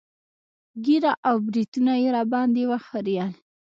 ږيره او برېتونه يې راباندې وخرييل.